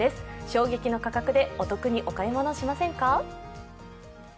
衝撃の価格でお得にお買い物しませんか？